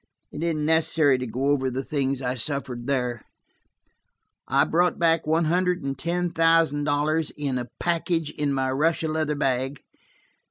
It isn't necessary to go over the things I suffered there; I brought back one hundred and ten thousand dollars, in a package in my Russia leather bag.